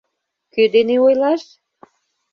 Кӧ дене ойлаш?